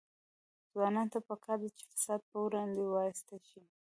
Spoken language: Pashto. ځوانانو ته پکار ده چې، فساد پر وړاندې وایسته شي.